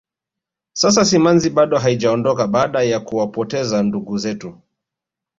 sasa simanzi bado haijaondoka baada ya kuwapoteza ndugu zetu